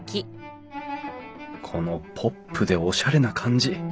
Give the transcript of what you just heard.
このポップでおしゃれな感じ